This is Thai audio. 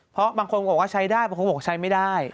เพราะบางคนบอกว่าใช้ได้บางคนบอกใช้ไม่ได้